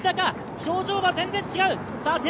表情が全然違う。